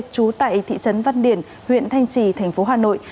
trú tại thị trấn văn điển huyện thanh trì thành phố hà nội